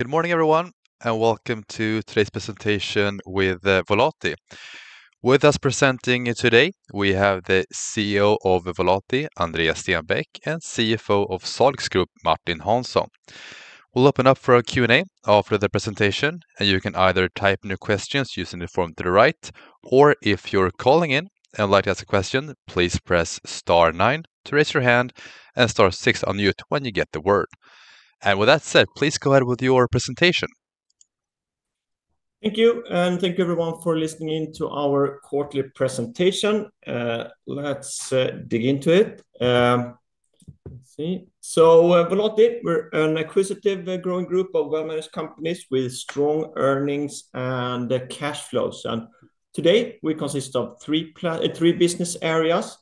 Good morning, everyone, and welcome to today's presentation with Volati. With us presenting today, we have the CEO of Volati, Andreas Stenbäck, and CEO of Salix Group, Martin Hansson. We'll open up for a Q&A after the presentation, and you can either type in your questions using the form to the right, or if you're calling in and would like to ask a question, please press star nine to raise your hand and star six on mute when you get the word. With that said, please go ahead with your presentation. Thank you, and thank you everyone for listening in to our quarterly presentation. Let's dig into it. So, Volati, we're an acquisitive, growing group of well-managed companies with strong earnings and cash flows. And today, we consist of three business areas,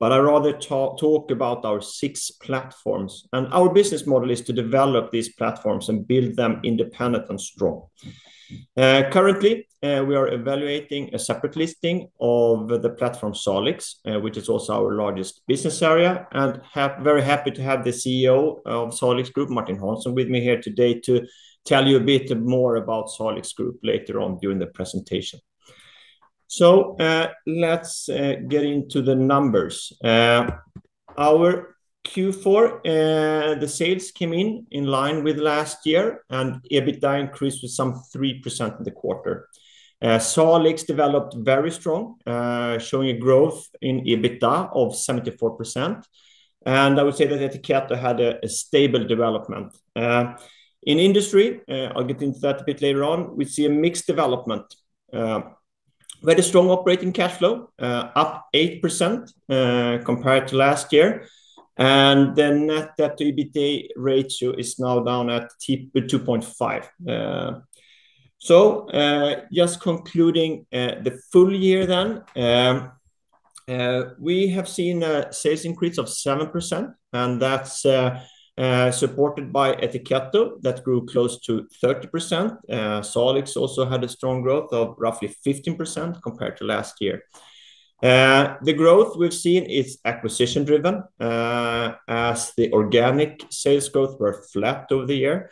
but I rather talk about our six platforms. And our business model is to develop these platforms and build them independent and strong. Currently, we are evaluating a separate listing of the platform Salix, which is also our largest business area, and very happy to have the CEO of Salix Group, Martin Hansson, with me here today to tell you a bit more about Salix Group later on during the presentation. So, let's get into the numbers. Our Q4, the sales came in in line with last year, and EBITDA increased to some 3% in the quarter. Salix developed very strong, showing a growth in EBITDA of 74%, and I would say that Ettiketto had a stable development. In Industry, I'll get into that a bit later on, we see a mixed development. Very strong operating cash flow, up 8%, compared to last year, and then net debt-to-EBITDA ratio is now down at 2.5. So, just concluding, the full year then, we have seen a sales increase of 7%, and that's supported by Ettiketto. That grew close to 30%. Salix also had a strong growth of roughly 15% compared to last year. The growth we've seen is acquisition-driven, as the organic sales growth were flat over the year.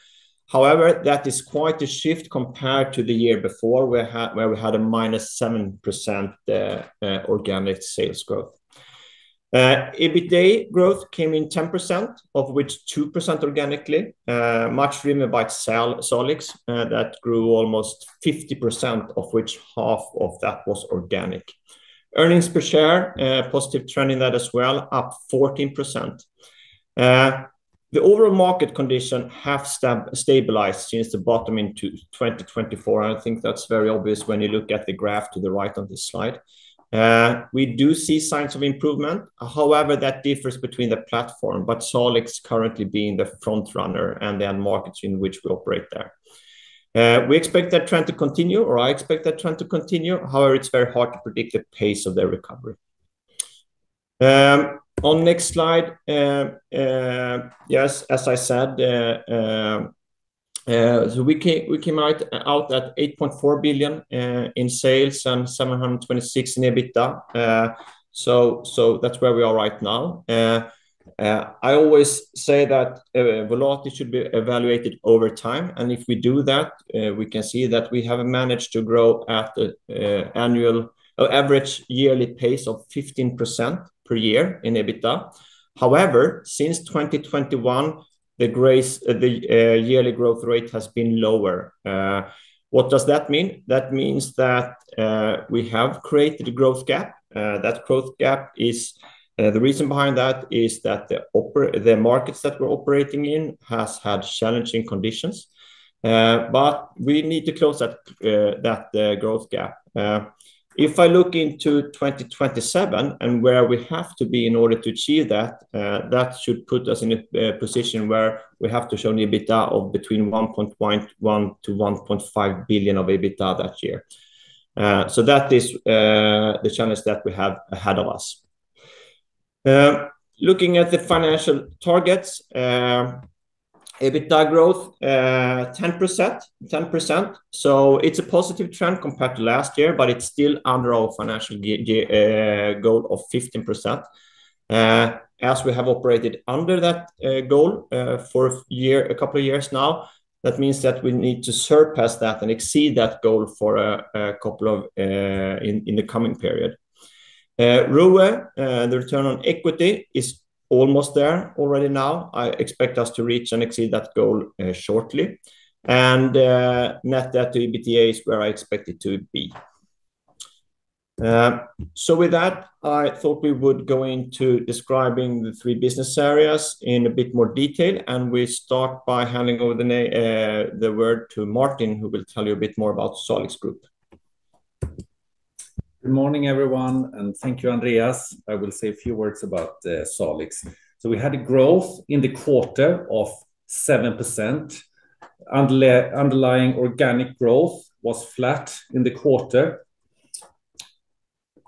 However, that is quite a shift compared to the year before, where we had a -7% organic sales growth. EBITDA growth came in 10%, of which 2% organically, much driven by Salix, that grew almost 50%, of which half of that was organic. Earnings per share, positive trend in that as well, up 14%. The overall market condition have stabilized since the bottom in 2024. I think that's very obvious when you look at the graph to the right of this slide. We do see signs of improvement. However, that differs between the platform, but Salix currently being the front runner and the end markets in which we operate there. We expect that trend to continue, or I expect that trend to continue. However, it's very hard to predict the pace of the recovery. On next slide, yes, as I said, so we came out at 8.4 billion in sales and 726 million in EBITDA. So that's where we are right now. I always say that Volati should be evaluated over time, and if we do that, we can see that we have managed to grow at an annual average yearly pace of 15% per year in EBITDA. However, since 2021, the growth, the yearly growth rate has been lower. What does that mean? That means that we have created a growth gap. That growth gap is, the reason behind that is that the markets that we're operating in has had challenging conditions. But we need to close that growth gap. If I look into 2027 and where we have to be in order to achieve that, that should put us in a position where we have to show an EBITDA of between 1.1 billion-1.5 billion of EBITDA that year. So that is, the challenge that we have ahead of us. Looking at the financial targets, EBITDA growth, 10%, 10%. So it's a positive trend compared to last year, but it's still under our financial goal of 15%. As we have operated under that goal for a year, a couple of years now, that means that we need to surpass that and exceed that goal for a couple of years in the coming period. ROE, the return on equity, is almost there already now. I expect us to reach and exceed that goal shortly. Net debt-to-EBITDA is where I expect it to be. So with that, I thought we would go into describing the three business areas in a bit more detail, and we start by handing over the word to Martin, who will tell you a bit more about Salix Group. Good morning, everyone, and thank you, Andreas. I will say a few words about Salix. We had a growth in the quarter of 7%. Underlying organic growth was flat in the quarter.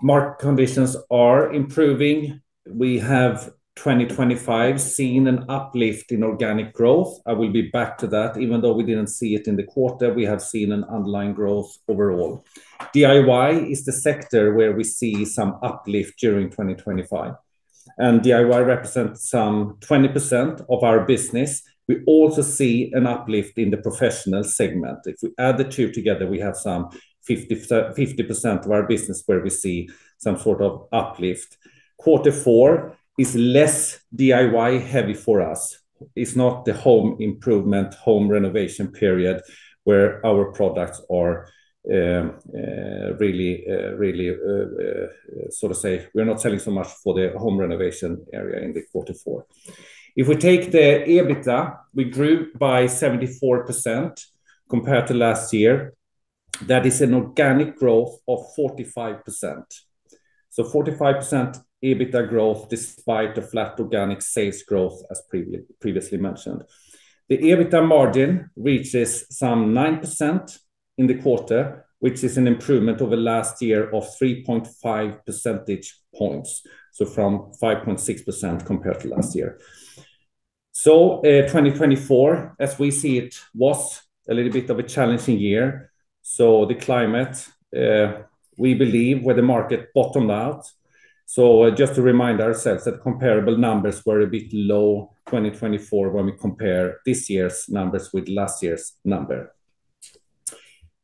Market conditions are improving. We have, 2025, seen an uplift in organic growth. I will be back to that. Even though we didn't see it in the quarter, we have seen an underlying growth overall. DIY is the sector where we see some uplift during 2025. And DIY represents some 20% of our business. We also see an uplift in the professional segment. If we add the two together, we have some 50/50% of our business where we see some sort of uplift. Quarter four is less DIY heavy for us. It's not the home improvement, home renovation period, where our products are, so to say, we're not selling so much for the home renovation area in quarter four. If we take the EBITDA, we grew by 74% compared to last year. That is an organic growth of 45%. So 45% EBITDA growth, despite the flat organic sales growth, as previously mentioned. The EBITDA margin reaches some 9% in the quarter, which is an improvement over last year of 3.5 percentage points, so from 5.6% compared to last year. So, 2024, as we see it, was a little bit of a challenging year. So the climate, we believe where the market bottomed out. So just to remind ourselves that comparable numbers were a bit low, 2024, when we compare this year's numbers with last year's number.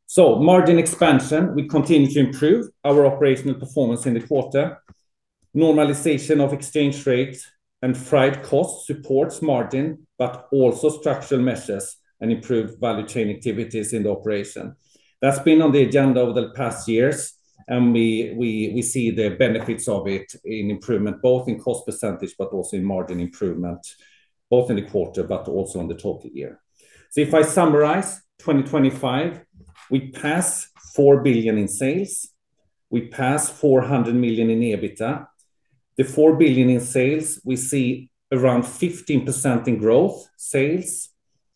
So margin expansion, we continue to improve our operational performance in the quarter. Normalization of exchange rates and freight costs supports margin, but also structural measures and improved value chain activities in the operation. That's been on the agenda over the past years, and we see the benefits of it in improvement, both in cost percentage, but also in margin improvement, both in the quarter but also on the total year. So if I summarize, 2025, we pass 4 billion in sales, we pass 400 million in EBITDA. The 4 billion in sales, we see around 15% in growth, sales,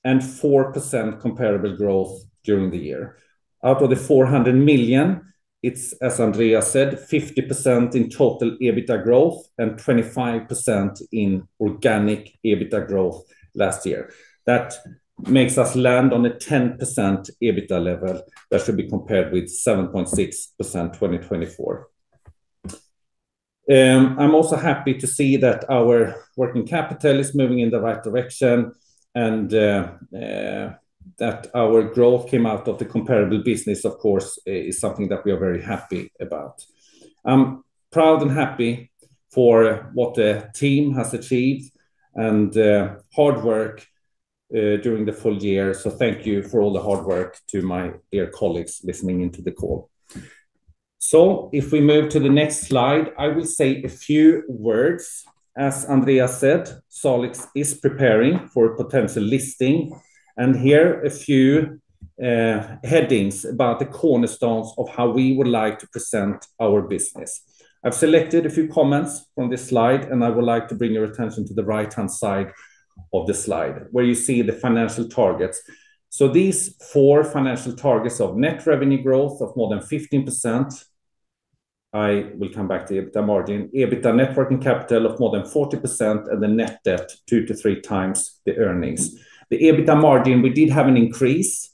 and 4% comparable growth during the year. Out of the 400 million, it's, as Andreas said, 50% in total EBITDA growth and 25% in organic EBITDA growth last year. That makes us land on a 10% EBITDA level that should be compared with 7.6%, 2024. I'm also happy to see that our working capital is moving in the right direction, and that our growth came out of the comparable business, of course, is something that we are very happy about. I'm proud and happy for what the team has achieved and hard work during the full year. So thank you for all the hard work to my dear colleagues listening into the call. So if we move to the next slide, I will say a few words. As Andreas said, Salix is preparing for a potential listing, and here a few headings about the cornerstones of how we would like to present our business. I've selected a few comments from this slide, and I would like to bring your attention to the right-hand side of the slide, where you see the financial targets. So these four financial targets of net revenue growth of more than 15%, I will come back to the EBITDA margin. EBITDA net working capital of more than 40% and the net debt 2-3 times the earnings. The EBITDA margin, we did have an increase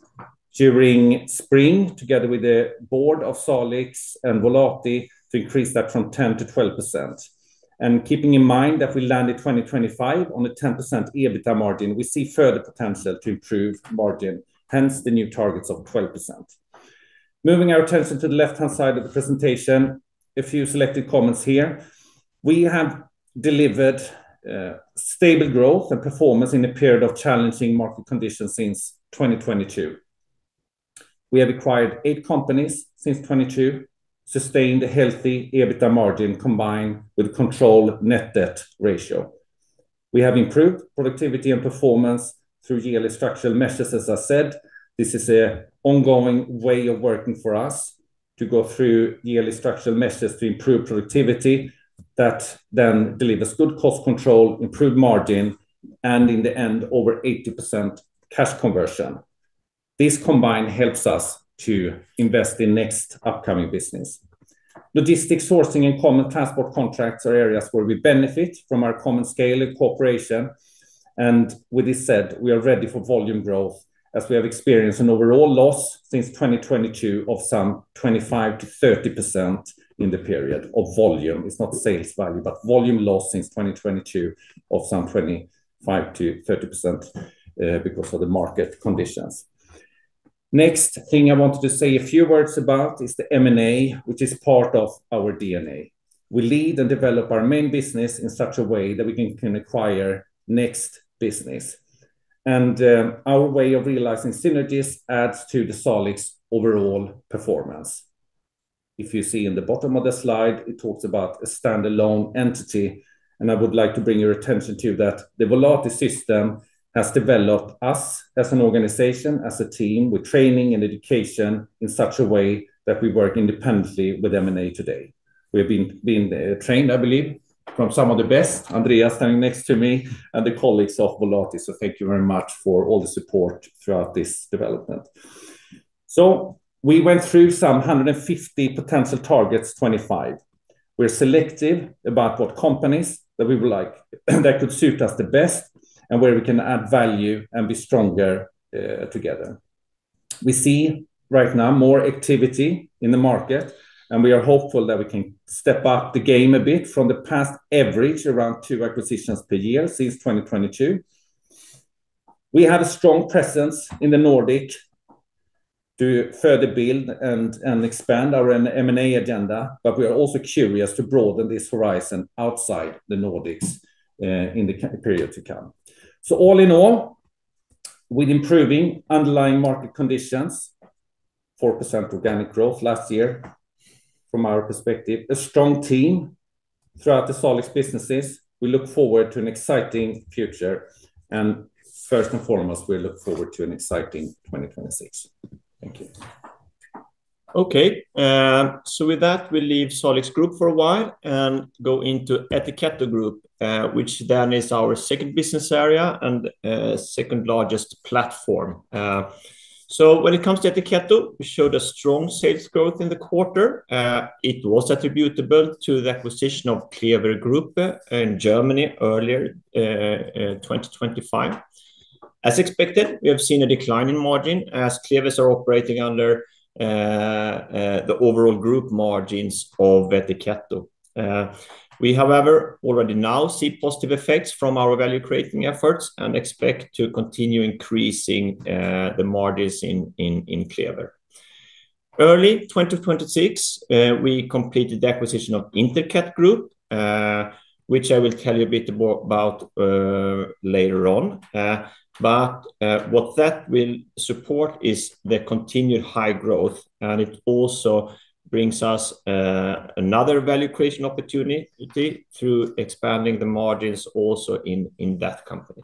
during spring, together with the board of Salix and Volati, to increase that from 10%-12%. And keeping in mind that we landed 2025 on a 10% EBITDA margin, we see further potential to improve margin, hence the new targets of 12%. Moving our attention to the left-hand side of the presentation, a few selected comments here. We have delivered stable growth and performance in a period of challenging market conditions since 2022. We have acquired eight companies since 2022, sustained a healthy EBITDA margin, combined with controlled net debt ratio. We have improved productivity and performance through yearly structural measures, as I said. This is an ongoing way of working for us to go through yearly structural measures to improve productivity. That then delivers good cost control, improved margin, and in the end, over 80% cash conversion. This combined helps us to invest in next upcoming business. Logistics, sourcing, and common transport contracts are areas where we benefit from our common scale and cooperation. And with this said, we are ready for volume growth, as we have experienced an overall loss since 2022 of some 25%-30% in the period of volume. It's not sales value, but volume loss since 2022 of some 25%-30%, because of the market conditions. Next thing I wanted to say a few words about is the M&A, which is part of our DNA. We lead and develop our main business in such a way that we can acquire next business. Our way of realizing synergies adds to the Salix overall performance. If you see in the bottom of the slide, it talks about a standalone entity, and I would like to bring your attention to that. The Volati system has developed us as an organization, as a team, with training and education, in such a way that we work independently with M&A today. We've been trained, I believe, from some of the best, Andreas standing next to me and the colleagues of Volati. So thank you very much for all the support throughout this development. So we went through some 150 potential targets, 25. We're selective about what companies that we would like, that could suit us the best and where we can add value and be stronger, together. We see right now more activity in the market, and we are hopeful that we can step up the game a bit from the past average, around two acquisitions per year since 2022. We have a strong presence in the Nordics to further build and expand our M&A agenda, but we are also curious to broaden this horizon outside the Nordics in the period to come. So all in all, with improving underlying market conditions, 4% organic growth last year, from our perspective, a strong team throughout the Salix businesses, we look forward to an exciting future, and first and foremost, we look forward to an exciting 2026. Thank you. Okay, so with that, we'll leave Salix Group for a while and go into Ettiketto Group, which then is our second business area and second-largest platform. So when it comes to Ettiketto, we showed a strong sales growth in the quarter. It was attributable to the acquisition of Klebe-Technik in Germany earlier in 2025. As expected, we have seen a decline in margin as Klever are operating under the overall group margins of Ettiketto. We, however, already now see positive effects from our value-creating efforts and expect to continue increasing the margins in Klever. Early 2026, we completed the acquisition of Interket Group, which I will tell you a bit more about later on. But what that will support is the continued high growth, and it also brings us another value creation opportunity through expanding the margins also in that company.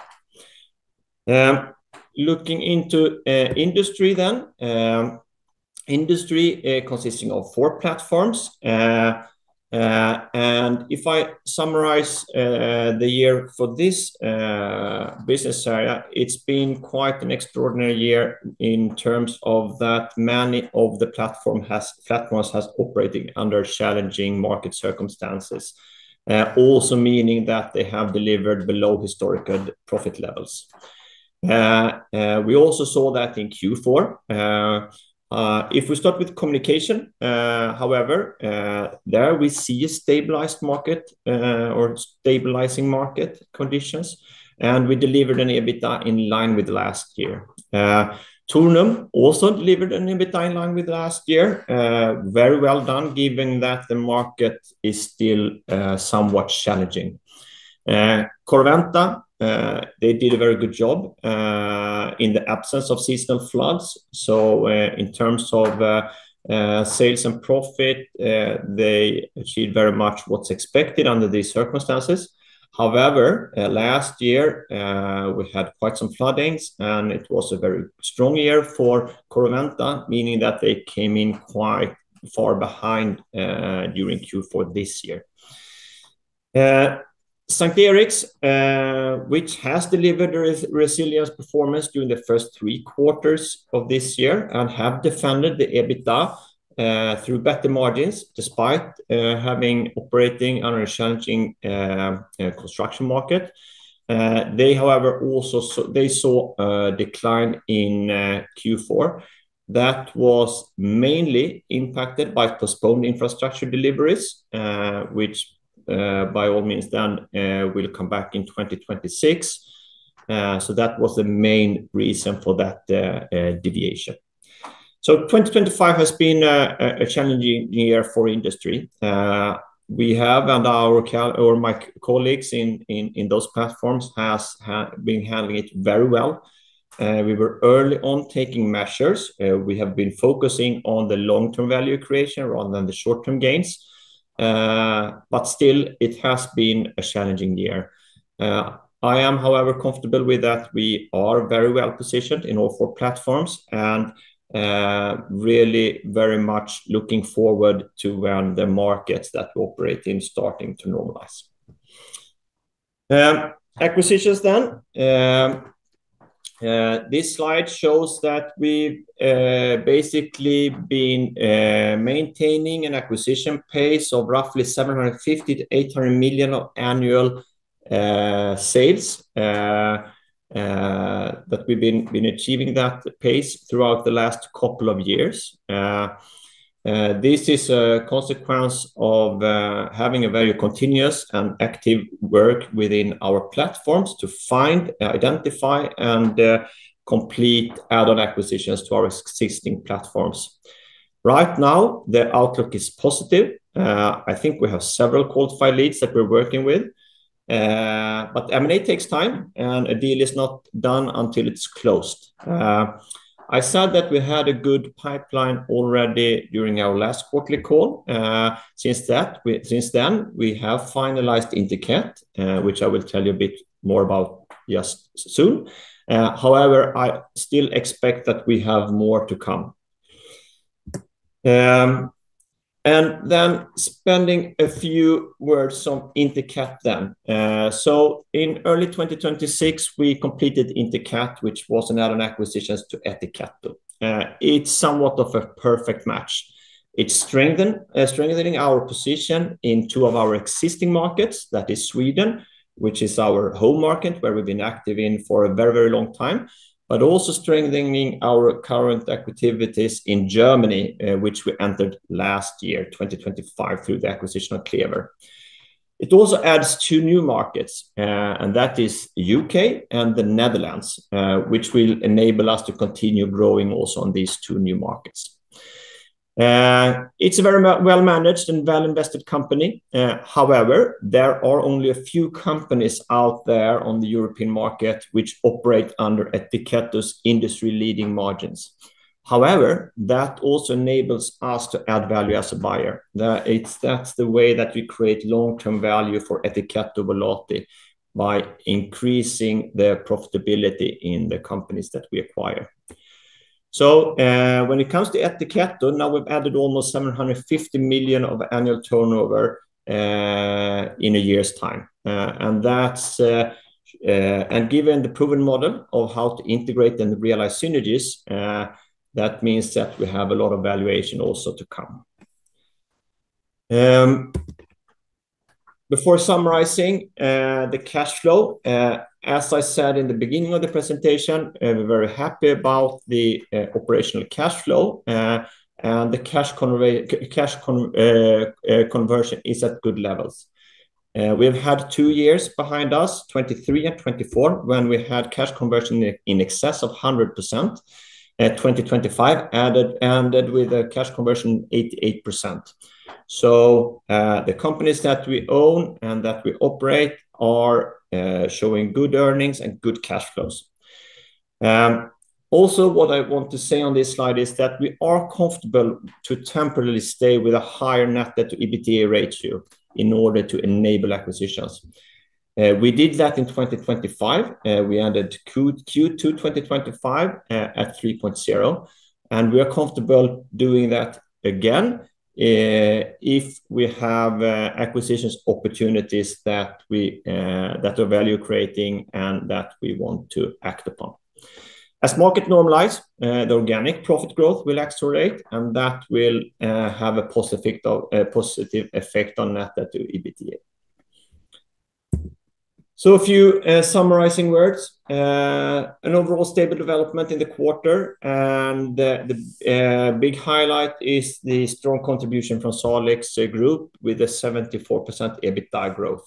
Looking into industry then, industry consisting of four platforms. And if I summarize the year for this business area, it's been quite an extraordinary year in terms of that many of the platforms operating under challenging market circumstances. Also meaning that they have delivered below historical profit levels. We also saw that in Q4. If we start with Communication, however, there we see a stabilized market or stabilizing market conditions, and we delivered an EBITDA in line with last year. Tornum also delivered an EBITDA in line with last year. Very well done, given that the market is still somewhat challenging. Corroventa, they did a very good job in the absence of system floods. So, in terms of sales and profit, they achieved very much what's expected under these circumstances. However, last year, we had quite some floodings, and it was a very strong year for Corroventa, meaning that they came in quite far behind during Q4 this year. S:t Eriks, which has delivered a resilience performance during the first three quarters of this year and have defended the EBITDA through better margins, despite having operating under a challenging construction market. They, however, also saw... They saw a decline in Q4. That was mainly impacted by postponed infrastructure deliveries, which, by all means, then, will come back in 2026. So that was the main reason for that deviation. So 2025 has been a challenging year for industry. We have, or my colleagues in those platforms have been handling it very well. We were early on taking measures. We have been focusing on the long-term value creation rather than the short-term gains. But still, it has been a challenging year. I am, however, comfortable with that. We are very well positioned in all four platforms and really very much looking forward to when the markets that operate in starting to normalize. Acquisitions then. This slide shows that we've basically been maintaining an acquisition pace of roughly 750-800 million of annual sales. That we've been achieving that pace throughout the last couple of years. This is a consequence of having a very continuous and active work within our platforms to find, identify, and complete add-on acquisitions to our existing platforms. Right now, the outlook is positive. I think we have several qualified leads that we're working with. But M&A takes time, and a deal is not done until it's closed. I said that we had a good pipeline already during our last quarterly call. Since then, we have finalized Interket, which I will tell you a bit more about just soon. However, I still expect that we have more to come. And then spending a few words on Interket then. So in early 2026, we completed Interket, which was an add-on acquisitions to Ettiketto. It's somewhat of a perfect match. It's strengthening our position in two of our existing markets. That is Sweden, which is our home market, where we've been active in for a very, very long time, but also strengthening our current activities in Germany, which we entered last year, 2025, through the acquisition of Klever. It also adds two new markets, and that is U.K. and the Netherlands, which will enable us to continue growing also on these two new markets. It's a very well-managed and well-invested company. However, there are only a few companies out there on the European market which operate under Ettiketto's industry-leading margins. However, that also enables us to add value as a buyer. It's, that's the way that we create long-term value for Ettiketto Volati, by increasing their profitability in the companies that we acquire. When it comes to Ettiketto, now we've added almost 750 million of annual turnover in a year's time. And that's. Given the proven model of how to integrate and realize synergies, that means that we have a lot of valuation also to come. Before summarizing the cash flow, as I said in the beginning of the presentation, we're very happy about the operational cash flow. And the cash conversion is at good levels. We've had two years behind us, 2023 and 2024, when we had cash conversion in excess of 100%. 2025 ended with a cash conversion 88%. The companies that we own and that we operate are showing good earnings and good cash flows. Also what I want to say on this slide is that we are comfortable to temporarily stay with a higher net debt to EBITDA ratio in order to enable acquisitions. We did that in 2025. We ended Q2 2025 at 3.0, and we are comfortable doing that again if we have acquisitions opportunities that we that are value-creating and that we want to act upon. As market normalize, the organic profit growth will accelerate, and that will have a positive effect, positive effect on net debt to EBITDA. So a few summarizing words. An overall stable development in the quarter, and the big highlight is the strong contribution from Salix Group, with a 74% EBITDA growth.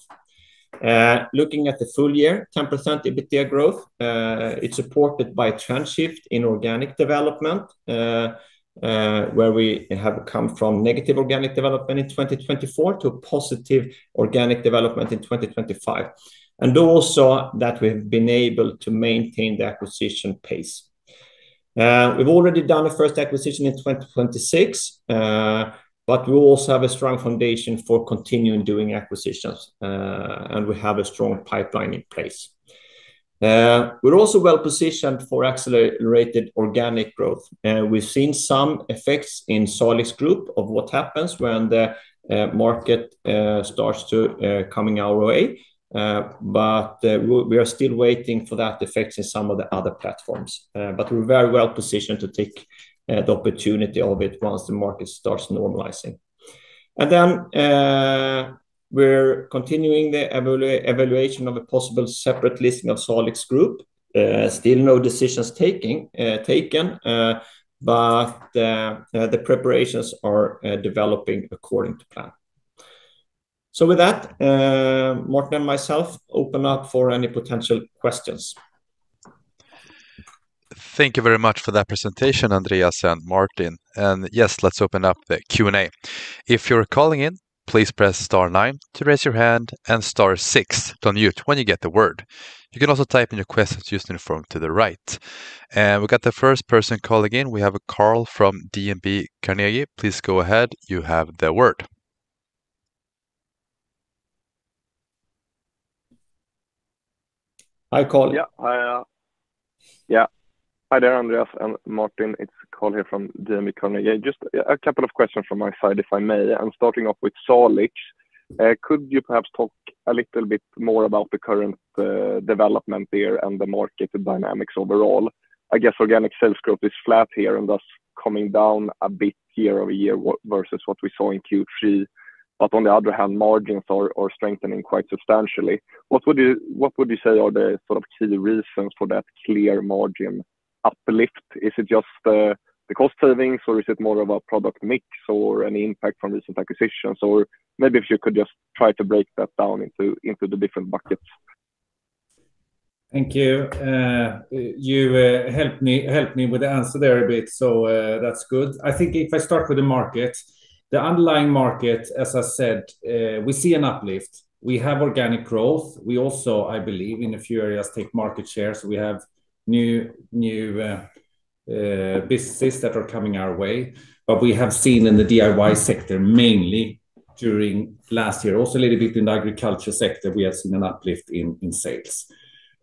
Looking at the full year, 10% EBITDA growth, it's supported by a trend shift in organic development, where we have come from negative organic development in 2024 to a positive organic development in 2025, and also that we've been able to maintain the acquisition pace. We've already done the first acquisition in 2026, but we also have a strong foundation for continuing doing acquisitions, and we have a strong pipeline in place. We're also well-positioned for accelerated organic growth, and we've seen some effects in Salix Group of what happens when the market starts coming our way. But we are still waiting for that effect in some of the other platforms. But we're very well-positioned to take the opportunity of it once the market starts normalizing. Then, we're continuing the evaluation of a possible separate listing of the Salix Group. Still no decisions taken, but the preparations are developing according to plan. So with that, Martin and myself open up for any potential questions. Thank you very much for that presentation, Andreas and Martin. Yes, let's open up the Q&A. If you're calling in, please press star nine to raise your hand and star six to unmute when you get the word. You can also type in your questions using the form to the right. We've got the first person calling in. We have Carl from Carnegie. Please go ahead. You have the word. Hi, Carl. Yeah, yeah. Hi there, Andreas and Martin. It's Carl here from Carnegie. Just a couple of questions from my side, if I may. I'm starting off with Salix. Could you perhaps talk a little bit more about the current development there and the market dynamics overall? I guess organic sales growth is flat here and thus coming down a bit year-over-year, versus what we saw in Q3. But on the other hand, margins are strengthening quite substantially. What would you say are the sort of key reasons for that clear margin uplift? Is it just the cost savings, or is it more of a product mix, or any impact from recent acquisitions? Or maybe if you could just try to break that down into the different buckets. Thank you. You helped me, helped me with the answer there a bit, so that's good. I think if I start with the market, the underlying market, as I said, we see an uplift. We have organic growth. We also, I believe, in a few areas, take market shares. We have new, new businesses that are coming our way. But we have seen in the DIY sector, mainly during last year, also a little bit in the agriculture sector, we have seen an uplift in sales.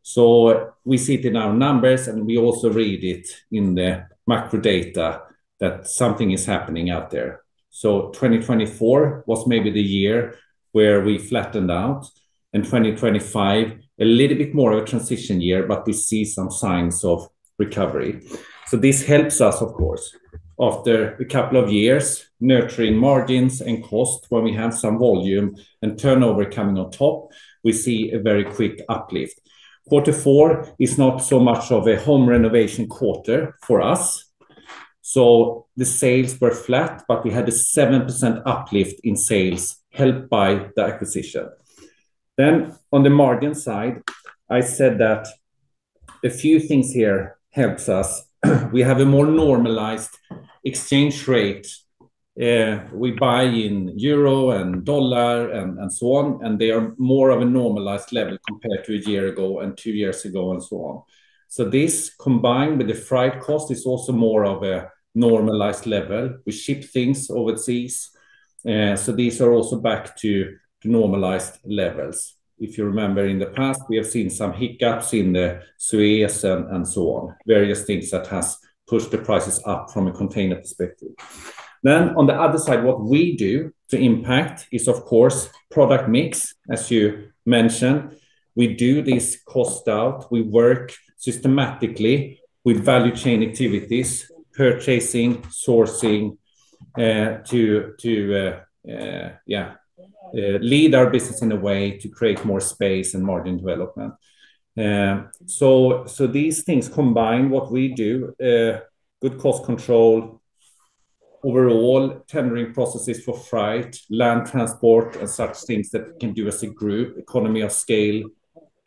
So we see it in our numbers, and we also read it in the macro data that something is happening out there. So 2024 was maybe the year where we flattened out, and 2025, a little bit more of a transition year, but we see some signs of recovery. So this helps us, of course, after a couple of years, nurturing margins and cost. When we have some volume and turnover coming on top, we see a very quick uplift. Quarter four is not so much of a home renovation quarter for us. So the sales were flat, but we had a 7% uplift in sales helped by the acquisition. Then on the margin side, I said that a few things here helps us. We have a more normalized exchange rate. We buy in euro and dollar and so on, and they are more of a normalized level compared to a year ago and two years ago, and so on. So this, combined with the freight cost, is also more of a normalized level. We ship things overseas, so these are also back to normalized levels. If you remember in the past, we have seen some hiccups in the Suez and so on. Various things that has pushed the prices up from a container perspective. Then on the other side, what we do to impact is, of course, product mix, as you mentioned. We do this cost out. We work systematically with value chain activities, purchasing, sourcing, to lead our business in a way to create more space and margin development. So these things combined, what we do, good cost control, overall tendering processes for freight, land transport, and such things that we can do as a group. Economy of scale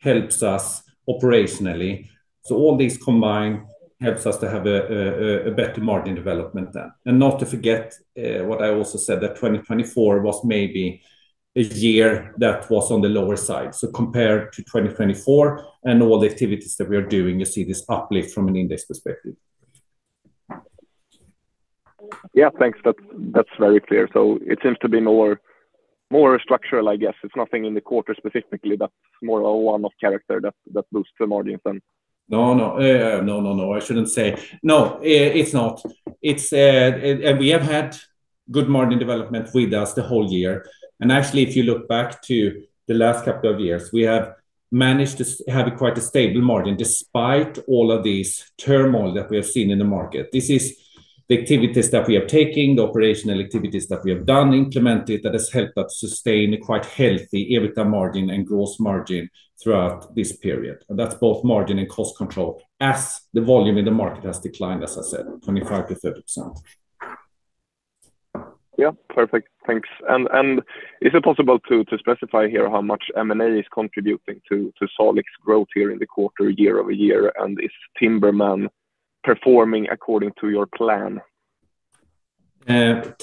helps us operationally. So all these combined helps us to have a better margin development then. And not to forget, what I also said, that 2024 was maybe a year that was on the lower side. So compared to 2024 and all the activities that we are doing, you see this uplift from an index perspective. Yeah, thanks. That's, that's very clear. So it seems to be more, more structural, I guess. It's nothing in the quarter specifically, but more a one-off character that, that boosts the margin then. No, no. I shouldn't say. No, it's not. It's, and we have had good margin development with us the whole year. And actually, if you look back to the last couple of years, we have managed to have quite a stable margin, despite all of this turmoil that we have seen in the market. This is the activities that we are taking, the operational activities that we have done, implemented, that has helped us sustain a quite healthy EBITDA margin and gross margin throughout this period. And that's both margin and cost control, as the volume in the market has declined, as I said, 25%-30%. Yeah, perfect. Thanks. And is it possible to specify here how much M&A is contributing to Salix's growth here in the quarter, year-over-year? And is Timberman performing according to your plan?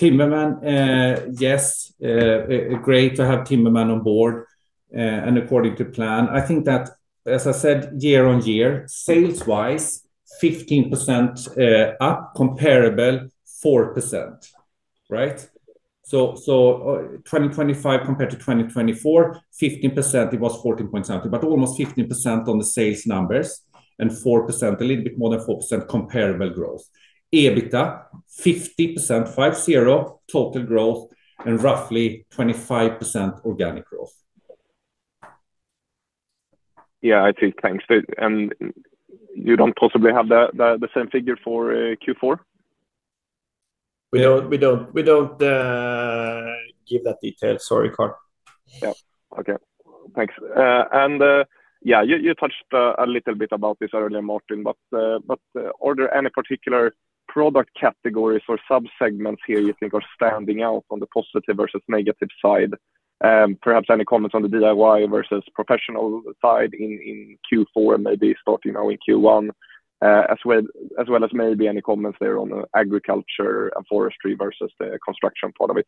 Timberman, yes, great to have Timberman on board, and according to plan. I think that, as I said, year-on-year, sales-wise, 15% up, comparable 4%, right? So, so, 2025 compared to 2024, 15%, it was 14.something, but almost 15% on the sales numbers, and 4%, a little bit more than 4% comparable growth. EBITDA, 50%, 50 total growth, and roughly 25% organic growth. Yeah, I see. Thanks. And you don't possibly have the same figure for Q4? We don't give that detail. Sorry, Carl. Yeah. Okay. Thanks. And yeah, you touched a little bit about this earlier, Martin, but are there any particular product categories or subsegments here you think are standing out on the positive versus negative side? Perhaps any comments on the DIY versus professional side in Q4, and maybe starting out in Q1, as well as maybe any comments there on agriculture and forestry versus the construction part of it?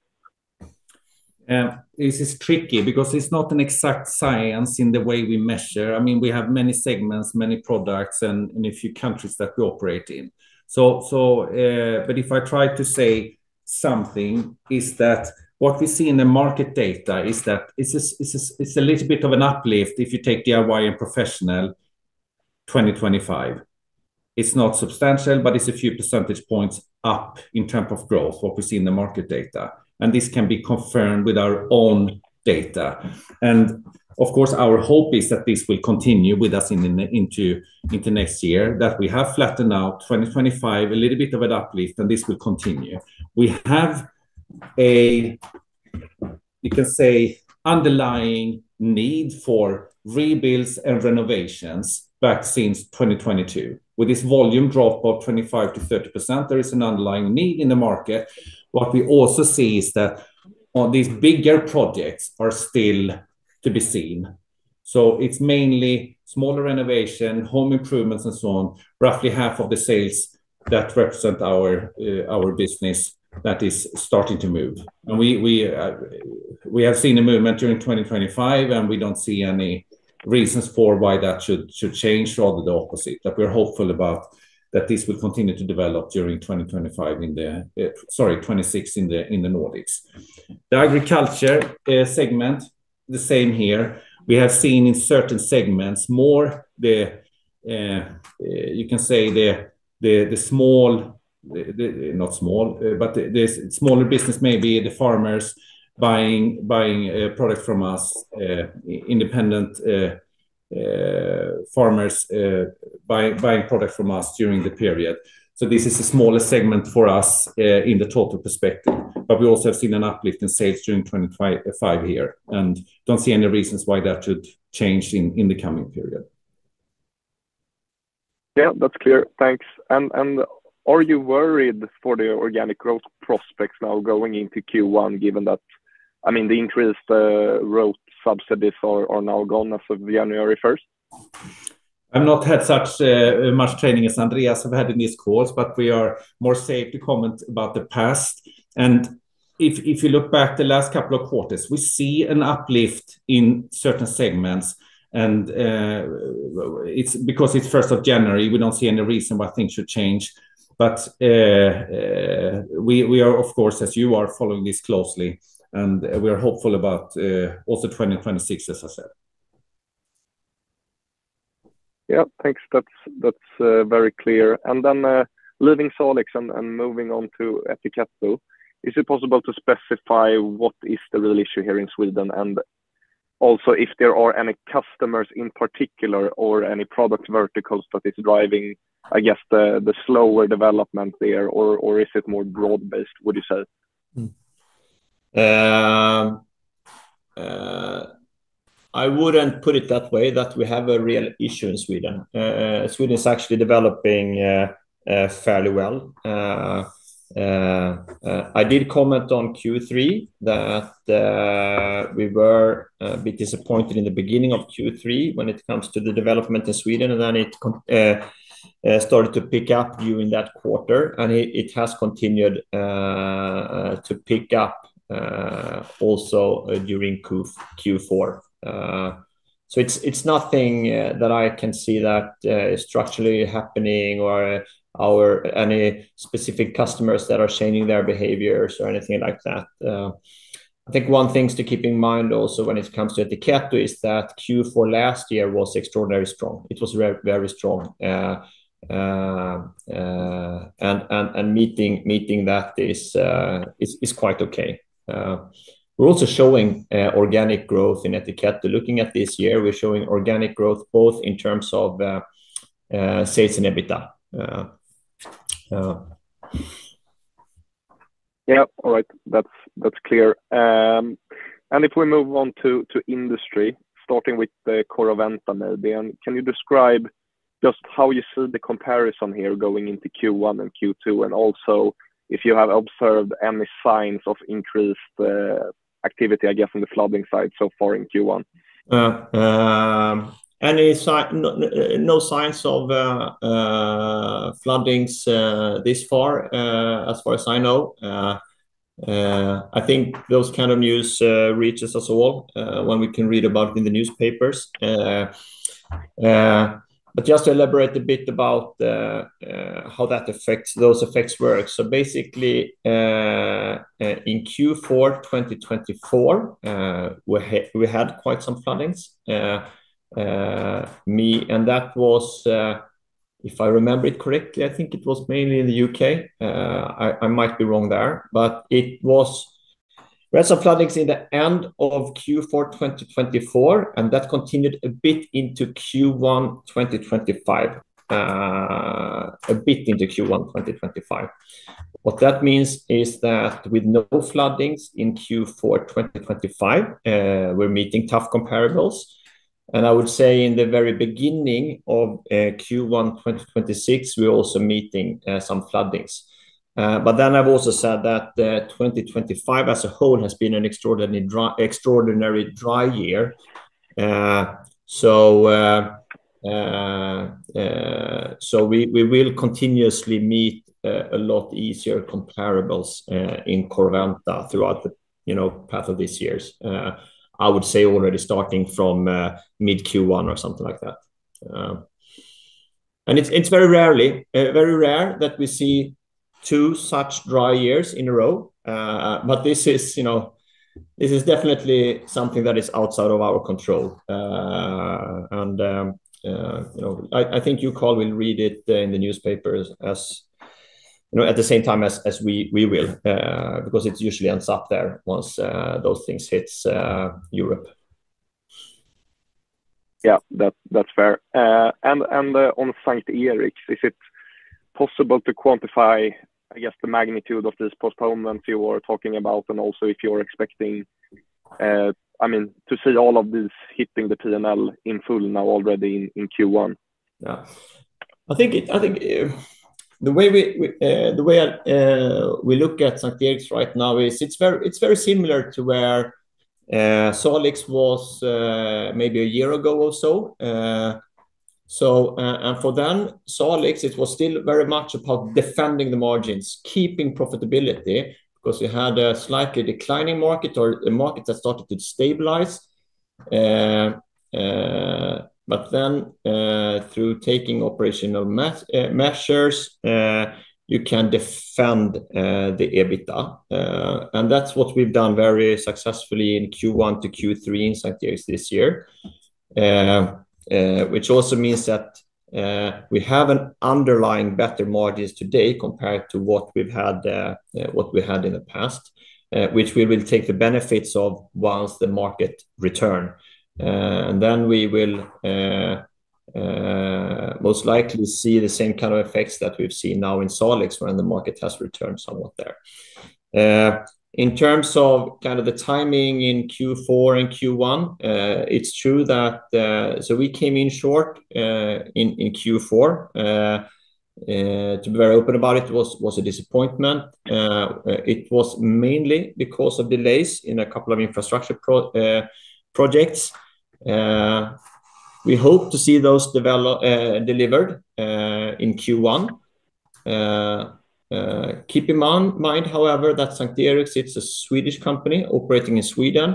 This is tricky because it's not an exact science in the way we measure. I mean, we have many segments, many products, and a few countries that we operate in. But if I try to say something, what we see in the market data is that it's a little bit of an uplift if you take DIY and professional 2025. It's not substantial, but it's a few percentage points up in terms of growth, what we see in the market data, and this can be confirmed with our own data. And of course, our hope is that this will continue with us in the into next year, that we have flattened out 2025, a little bit of an uplift, and this will continue. We have a, you can say, underlying need for rebuilds and renovations back since 2022. With this volume drop of 25%-30%, there is an underlying need in the market. What we also see is that on these bigger projects are still to be seen. So it's mainly smaller renovation, home improvements, and so on. Roughly half of the sales that represent our, our business that is starting to move. And we, we, we have seen a movement during 2025, and we don't see any reasons for why that should, should change. Rather the opposite, that we're hopeful about, that this will continue to develop during 2025 in the... Sorry, 2026 in the, in the Nordics. The agriculture segment, the same here. We have seen in certain segments, more, you can say, the smaller business, maybe the farmers buying a product from us, independent farmers buying product from us during the period. So this is a smaller segment for us in the total perspective, but we also have seen an uplift in sales during 2025 here, and don't see any reasons why that should change in the coming period. Yeah, that's clear. Thanks. And are you worried for the organic growth prospects now going into Q1, given that, I mean, the increased road subsidies are now gone as of January first? I've not had such much training as Andreas have had in this course, but we are more safe to comment about the past. If you look back the last couple of quarters, we see an uplift in certain segments. It's because it's first of January, we don't see any reason why things should change. We are of course, as you are following this closely, and we are hopeful about also 2026, as I said. Yeah. Thanks. That's very clear. And then leaving Salix and moving on to Ettiketto. So is it possible to specify what is the real issue here in Sweden? And also if there are any customers in particular or any product verticals that is driving, I guess, the slower development there, or is it more broad-based, would you say? I wouldn't put it that way, that we have a real issue in Sweden. Sweden is actually developing fairly well. I did comment on Q3 that we were a bit disappointed in the beginning of Q3 when it comes to the development in Sweden, and then it started to pick up during that quarter, and it has continued to pick up also during Q4. So it's nothing that I can see that is structurally happening or any specific customers that are changing their behaviors or anything like that. I think one thing to keep in mind also when it comes to Ettiketto is that Q4 last year was extraordinarily strong. It was very, very strong. And meeting that is quite okay. We're also showing organic growth in Ettiketto. Looking at this year, we're showing organic growth both in terms of sales and EBITDA. Yeah. All right. That's clear. And if we move on to industry, starting with Corroventa maybe, and can you describe just how you see the comparison here going into Q1 and Q2? And also if you have observed any signs of increased activity, I guess, on the flooding side so far in Q1. No signs of floodings this far, as far as I know. I think those kind of news reaches us all when we can read about in the newspapers. But just to elaborate a bit about how that affects. Those effects work. So basically, in Q4 2024, we had quite some floodings. And that was, if I remember it correctly, I think it was mainly in the UK. I might be wrong there, but it was rest of floodings in the end of Q4 2024, and that continued a bit into Q1 2025, a bit into Q1 2025. What that means is that with no floodings in Q4 2025, we're meeting tough comparables. I would say in the very beginning of Q1 2026, we're also meeting some floodings. But then I've also said that 2025 as a whole has been an extraordinary dry year. So we will continuously meet a lot easier comparables in Corroventa throughout the, you know, path of this years. I would say already starting from mid-Q1 or something like that. And it's very rarely, very rare that we see two such dry years in a row. But this is, you know, this is definitely something that is outside of our control. And, you know, I think you'll all read it in the newspapers as, you know, at the same time as we will. Because it usually ends up there once those things hits Europe. Yeah, that, that's fair. And, on S:t Eriks, is it possible to quantify, I guess, the magnitude of this postponement you are talking about? And also if you're expecting, I mean, to see all of this hitting the PNL in full now already in Q1. Yeah. I think, I think, the way we, we, the way, we look at S:t Eriks right now is it's very, it's very similar to where, Salix was, maybe a year ago or so. So, and for them, Salix, it was still very much about defending the margins, keeping profitability, because we had a slightly declining market or a market that started to stabilize. But then, through taking operational mea- measures, you can defend, the EBITDA. And that's what we've done very successfully in Q1 to Q3 in S:t Eriks this year. Which also means that, we have an underlying better margins today compared to what we've had, what we had in the past, which we will take the benefits of once the market return. And then we will most likely to see the same kind of effects that we've seen now in Salix, when the market has returned somewhat there. In terms of kind of the timing in Q4 and Q1, it's true that, so we came in short in Q4. To be very open about it, it was a disappointment. It was mainly because of delays in a couple of infrastructure projects. We hope to see those develop delivered in Q1. Keep in mind, however, that S:t Eriks, it's a Swedish company operating in Sweden,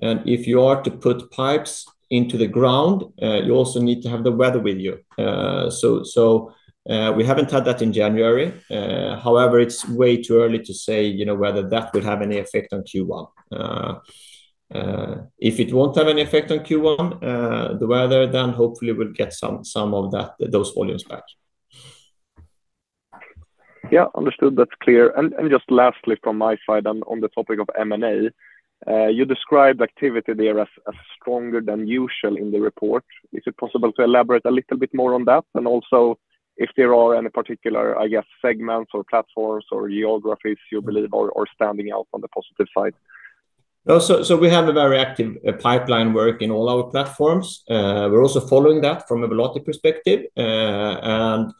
and if you are to put pipes into the ground, you also need to have the weather with you. So, we haven't had that in January. However, it's way too early to say, you know, whether that will have any effect on Q1. If it won't have any effect on Q1, the weather, then hopefully we'll get some of those volumes back. Yeah, understood. That's clear. And just lastly from my side on the topic of M&A, you described activity there as stronger than usual in the report. Is it possible to elaborate a little bit more on that? And also if there are any particular, I guess, segments or platforms or geographies you believe are standing out on the positive side. Oh, so we have a very active pipeline work in all our platforms. We're also following that from a Volati perspective. And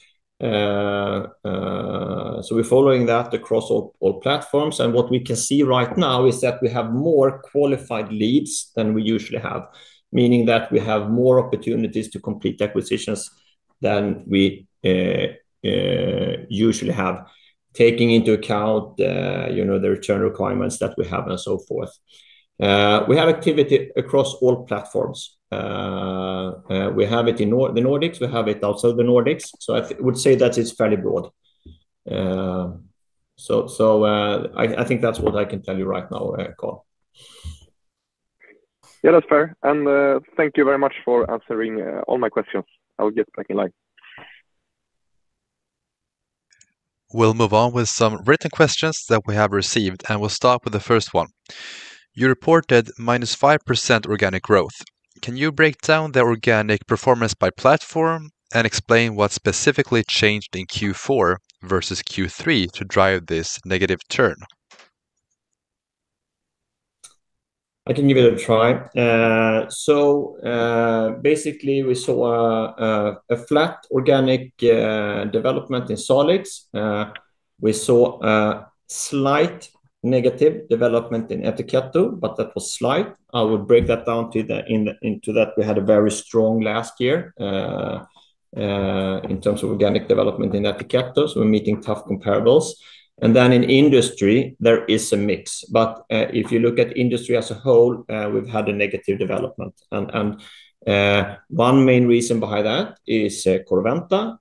so we're following that across all platforms. And what we can see right now is that we have more qualified leads than we usually have, meaning that we have more opportunities to complete acquisitions than we usually have, taking into account, you know, the return requirements that we have and so forth. We have activity across all platforms. We have it in the Nordics, we have it outside the Nordics, so I would say that it's fairly broad. So, I think that's what I can tell you right now, Carl. Yeah, that's fair. And, thank you very much for answering all my questions. I will get back in line. We'll move on with some written questions that we have received, and we'll start with the first one. You reported -5% organic growth. Can you break down the organic performance by platform and explain what specifically changed in Q4 versus Q3 to drive this negative turn? I can give it a try. So, basically, we saw a flat organic development in Salix. We saw a slight negative development in Ettiketto, but that was slight. I would break that down into that we had a very strong last year in terms of organic development in Ettiketto, so we're meeting tough comparables. Then in industry, there is a mix. But if you look at industry as a whole, we've had a negative development. One main reason behind that is Corroventa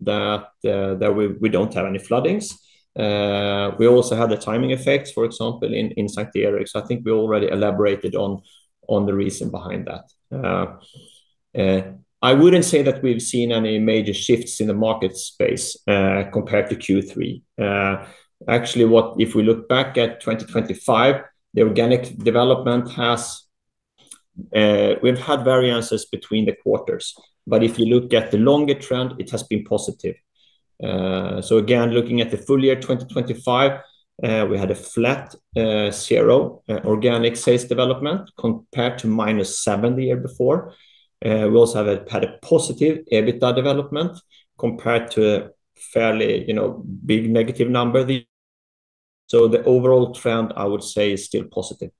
that we don't have any floodings. We also had the timing effects, for example, in S:t Eriks. I think we already elaborated on the reason behind that. I wouldn't say that we've seen any major shifts in the market space, compared to Q3. Actually, if we look back at 2025, the organic development has, we've had variances between the quarters, but if you look at the longer trend, it has been positive. So again, looking at the full year, 2025, we had a flat, 0, organic sales development compared to -7 the year before. We also have had a positive EBITDA development compared to a fairly, you know, big negative number the... So the overall trend, I would say, is still positive.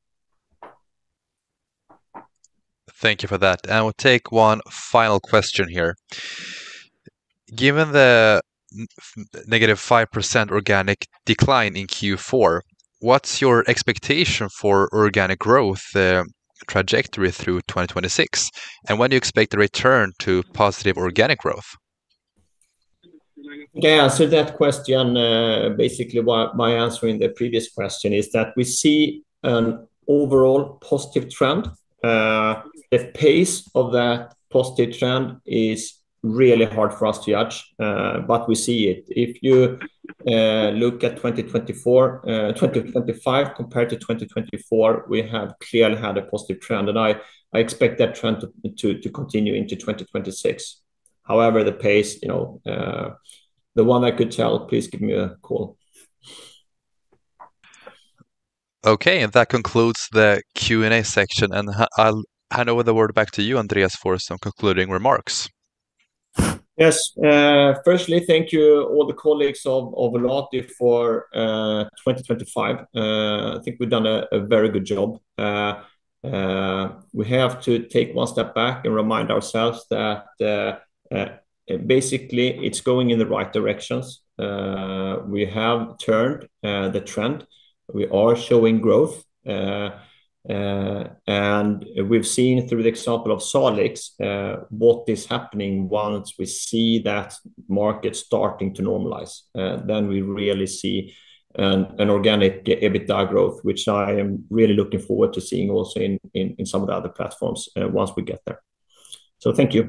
Thank you for that. And we'll take one final question here. Given the negative 5% organic decline in Q4, what's your expectation for organic growth trajectory through 2026? And when do you expect to return to positive organic growth? Yeah, I answered that question, basically by, by answering the previous question, is that we see an overall positive trend. The pace of that positive trend is really hard for us to judge, but we see it. If you look at 2024, 2025 compared to 2024, we have clearly had a positive trend, and I, I expect that trend to, to, to continue into 2026. However, the pace, you know, the one I could tell, please give me a call. Okay, and that concludes the Q&A section, and I'll hand over the word back to you, Andreas, for some concluding remarks. Yes. Firstly, thank you all the colleagues of Volati for 2025. I think we've done a very good job. We have to take one step back and remind ourselves that basically, it's going in the right directions. We have turned the trend. We are showing growth. And we've seen through the example of Salix, what is happening once we see that market starting to normalize, then we really see an organic EBITDA growth, which I am really looking forward to seeing also in some of the other platforms, once we get there. So thank you.